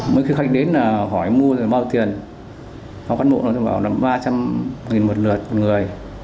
mấy khách đến là hỏi mua rồi bao tiền phòng cán bộ nói là ba trăm linh một lượt một người